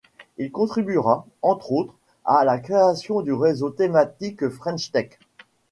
Il contribuera, entre autres, à la création du réseau thématique French Tech.